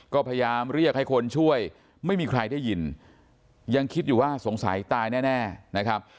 ก็พยายามเรียกให้คนช่วยไม่มีใครได้ยินยังคิดอยู่ว่าสงสัยตายแน่นะครับ